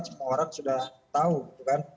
semua orang sudah tahu bukan